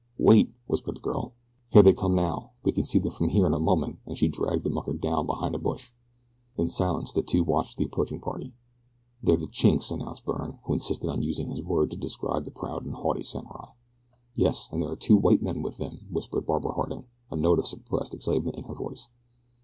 "Wait!" whispered the girl. "Here they come now, we can see them from here in a moment," and she dragged the mucker down behind a bush. In silence the two watched the approaching party. "They're the Chinks," announced Byrne, who insisted on using this word to describe the proud and haughty samurai. "Yes, and there are two white men with them," whispered Barbara Harding, a note of suppressed excitement in her voice.